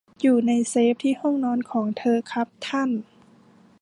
อยู่ในเซฟที่ห้องนอนของเธอ ครับท่าน